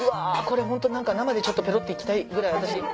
これホント何か生でちょっとペロっていきたいぐらい私。